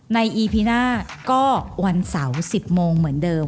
อีพีหน้าก็วันเสาร์๑๐โมงเหมือนเดิม